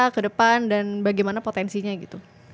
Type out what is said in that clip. kedepan dan bagaimana potensinya gitu